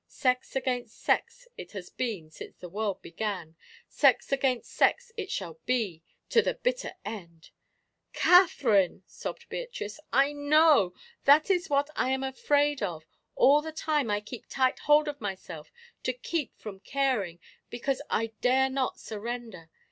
Sex against sex it has been since the world began sex against sex it shall be to the bitter end!" "Katherine!" sobbed Beatrice, "I know! That is what I am afraid of! All the time I keep tight hold of myself to keep from caring, because I dare not surrender.